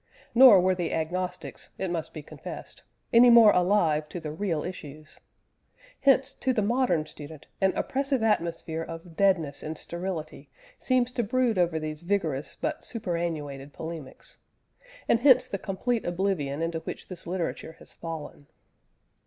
Nor were the Agnostics (it must be confessed) any more alive to the real issues. Hence, to the modern student, an oppressive atmosphere of deadness and sterility seems to brood over these vigorous but superannuated polemics; and hence the complete oblivion into which this literature has fallen.